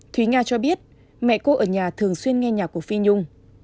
thúy nga cho biết mẹ cô ở nhà thường xuyên nghe nhạc của phi nhung